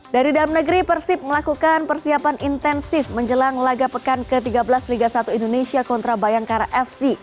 dari dalam negeri persib melakukan persiapan intensif menjelang laga pekan ke tiga belas liga satu indonesia kontra bayangkara fc